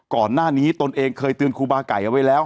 ก่อนหน้านี้ตนเองเคยเตือนครูบาไก่เอาไว้แล้ว